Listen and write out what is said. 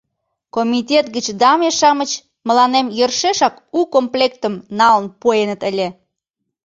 — Комитет гыч даме-шамыч мыланем йӧршешак у комплектым налын пуэныт ыле.